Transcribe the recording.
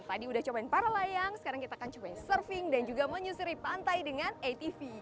tadi udah cobain para layang sekarang kita akan coba surfing dan juga menyusuri pantai dengan atv